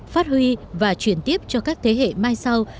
phát huy và chuyển tiếp cho các thế hệ mai sau